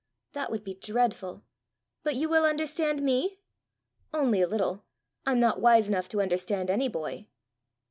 "That would be dreadful! But you will understand me?" "Only a little: I'm not wise enough to understand any boy."